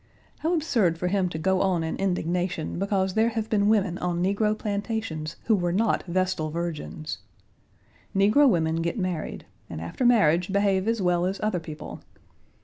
How absurd for him to go on in indignation because there have been women on negro plantations who were not vestal virgins. Negro women get married, and after marriage behave as well as other people.